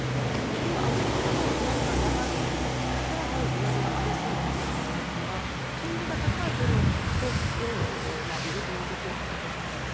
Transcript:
今アメリカの利上げが長引いてさらなる利上げがありそうだという観測から金利が高いドルを買って円を売るという動きが加速しています。